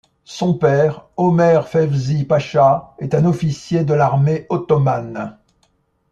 Son père, Ömer Fevzi Pascha, est un officier de l'armée ottomane.